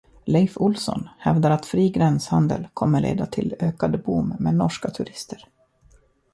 Leif Olsson hävdar att fri gränshandel kommer leda till ökad boom med norska turister.